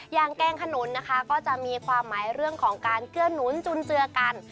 แกงขนุนนะคะก็จะมีความหมายเรื่องของการเกื้อหนุนจุนเจือกัน